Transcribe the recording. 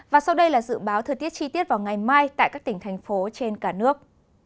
và sau đây là dự báo thời tiết chi tiết vào ngày mai tại các tỉnh thành phố trên cả nước